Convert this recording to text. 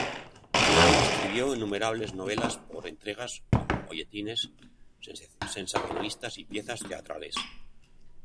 Escribió innumerables novelas por entregas o folletines sensacionalistas y piezas teatrales.